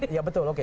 ya betul oke